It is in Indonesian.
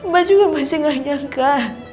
mbak juga masih gak nyangka